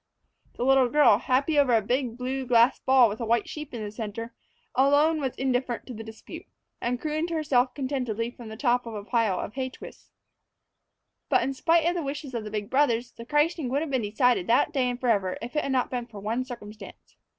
The little girl, happy over a big, blue glass ball with a white sheep in the center, alone was indifferent to the dispute, and crooned to herself contentedly from the top of the pile of hay twists. But, in spite of the wishes of the big brothers, the christening would have been decided that day and forever if it had not been for one circumstance.